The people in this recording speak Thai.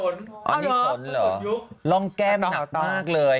อันนี้สนเหรอร่องแก้มหนักมากเลย